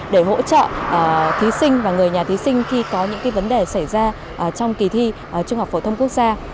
để hỗ trợ thí sinh và người nhà thí sinh khi có những vấn đề xảy ra trong kỳ thi trung học phổ thông quốc gia